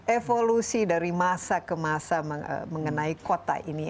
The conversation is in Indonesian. evolusi dari masa ke masa mengenai kota ini